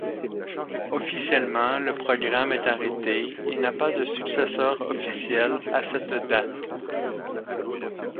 Officiellement le programme est arrêté et n'a pas de successeur officiel à cette date.